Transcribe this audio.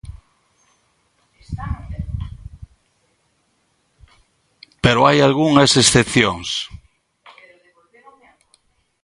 Pero hai algunhas excepcións.